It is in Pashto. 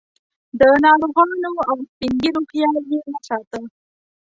د ناروغانو او سپین ږیرو خیال یې نه ساته.